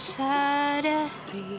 nishtaya dia akan merasa terhibur